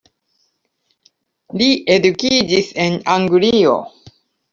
Li edukiĝis en Anglio.